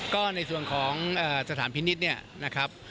ก็ในส่วนของสถานพินิษฐ์เนี่ยนะครับ